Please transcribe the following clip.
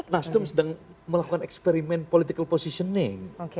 nasdem sedang melakukan eksperimen political positioning